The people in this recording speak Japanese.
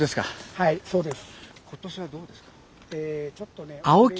はいそうです。